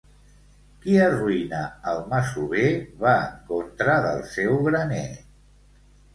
Qui arruïna el masover va en contra del seu graner.